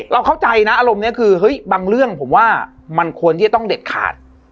เราเข้าใจนะอารมณ์นี้คือเฮ้ยบางเรื่องผมว่ามันควรที่จะต้องเด็ดขาด